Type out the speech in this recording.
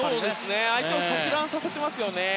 相手を錯乱させていますね。